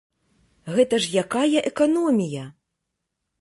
Гэта ж якая эканомія!